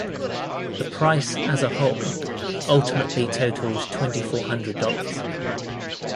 The price as a whole ultimately totaled twenty-four hundred dollars.